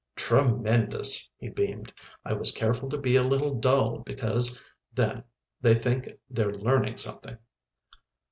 "Tremendous," he beamed. "I was careful to be a little dull because then they think they're learning something."